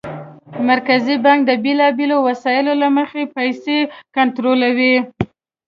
مرکزي بانک د بېلابېلو وسایلو له مخې پیسې کنټرولوي.